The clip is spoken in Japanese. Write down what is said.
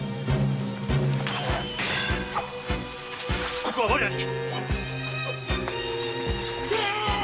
ここは我らに！